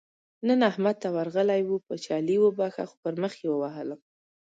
نن احمد ته ورغلی وو؛ چې علي وبښه - خو پر مخ يې ووهلم.